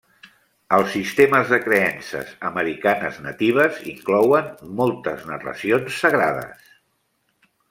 Els sistemes de creences americanes natives inclouen moltes narracions sagrades.